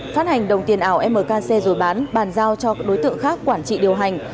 phát hành đồng tiền ảo mkc rồi bán bàn giao cho các đối tượng khác quản trị điều hành